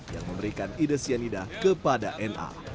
yang memberikan ide cyanida kepada na